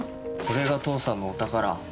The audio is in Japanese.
これが父さんのお宝。